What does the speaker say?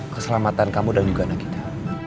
keselamatan kamu dan juga nagita